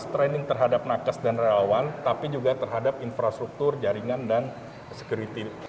training terhadap nakes dan relawan tapi juga terhadap infrastruktur jaringan dan security